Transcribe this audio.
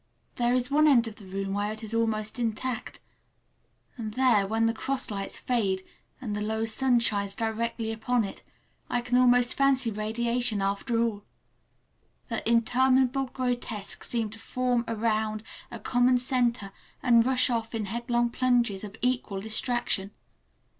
There is one end of the room where it is almost intact, and there, when the cross lights fade and the low sun shines directly upon it, I can almost fancy radiation after all,—the interminable grotesques seem to form around a common centre and rush off in headlong plunges of equal distraction.